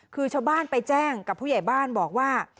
คือชาวบ้านไปแจ้งกับผู้ใหญ่บ้านบอกว่า